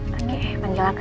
oke panggil aku ya